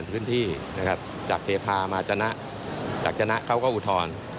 อยากจะนะเขาก็อุทธรณ